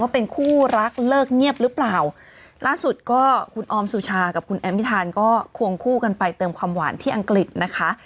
เป็นคู่รักเลิกเงียบหรือเปล่าล่าสุดก็คุณออมสุชากับคุณแอมพิธานก็ควงคู่กันไปเติมความหวานที่อังกฤษนะคะ